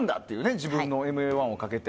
自分のＭＡ‐１をかけて。